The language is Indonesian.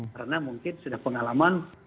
karena mungkin sudah pengalaman